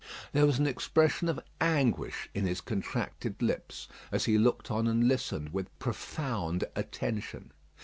There was an expression of anguish in his contracted lips, as he looked on and listened with profound attention.